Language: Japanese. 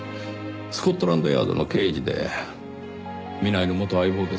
スコットランドヤードの刑事で南井の元相棒です。